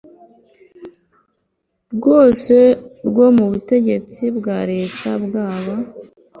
rwose rwo mu butegetsi bwa leta bwaba